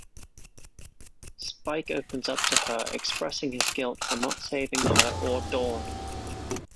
Spike opens up to her, expressing his guilt for not saving her or Dawn.